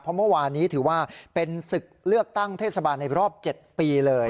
เพราะเมื่อวานนี้ถือว่าเป็นศึกเลือกตั้งเทศบาลในรอบ๗ปีเลย